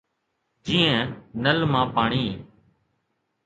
جيئن نل مان پاڻي